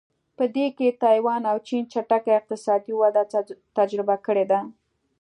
په دې کې تایوان او چین چټکه اقتصادي وده تجربه کړې ده.